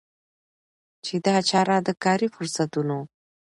چي دا چاره د کاري فرصتونو